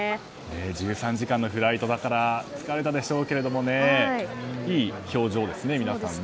１３時間のフライトだから疲れたでしょうけどいい表情ですね、皆さん。